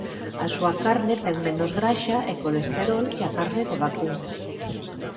A súa carne ten menos graxa e colesterol que a carne de vacún.